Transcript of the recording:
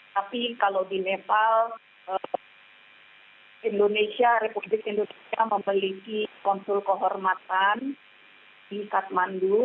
tapi kalau di nepal republik indonesia memiliki konsul kehormatan di kathmandu